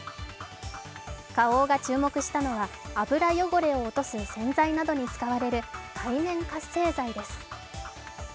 花王が注目したのは、油汚れを落とす洗剤などに使われる界面活性剤です。